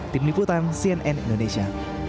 tim liputan cnn indonesia